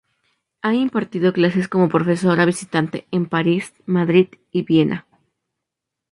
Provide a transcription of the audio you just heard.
Ha impartido clases como profesora visitante en París, Madrid y Viena.